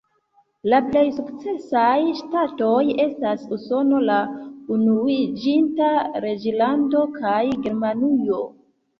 La plej sukcesaj ŝtatoj estas Usono, la Unuiĝinta Reĝlando kaj Germanujo.